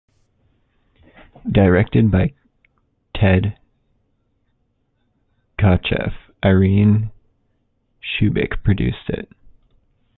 Directed by Ted Kotcheff, Irene Shubik produced it.